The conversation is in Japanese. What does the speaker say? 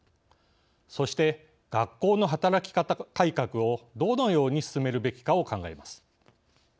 そして学校の働き方改革をどのように進めるべきかを考えます。